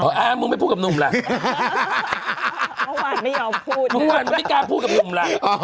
อ๋อแม่มุกไม่พูดกับหนุ่มล่ะเพราะว่าไม่เอาพูดมันไม่กล้าพูดกับหนุ่มล่ะ